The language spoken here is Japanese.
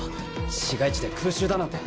市街地で空襲だなんて。